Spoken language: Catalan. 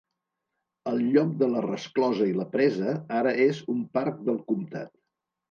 El lloc de la resclosa i la presa ara és un parc del comtat.